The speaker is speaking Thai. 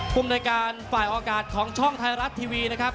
ภูมิในการฝ่ายออกอากาศของช่องไทยรัฐทีวีนะครับ